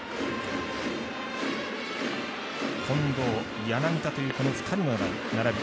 近藤、柳田というこの２人の並び。